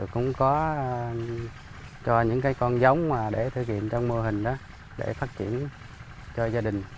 cũng có cho những con giống để thử nghiệm trong mô hình đó để phát triển cho gia đình